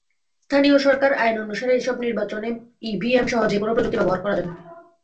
স্থানীয় সরকার আইন অনুসারে এসব নির্বাচনে ইভিএমসহ যেকোনো প্রযুক্তি ব্যবহার করা যাবে।